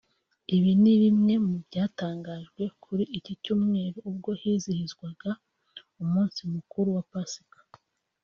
Ibi ni bimwe mu byatangajwe kuri ikicyumweru ubwo hizihizwaga umunsi mukuru wa Pasika